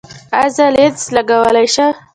ایا زه لینز لګولی شم؟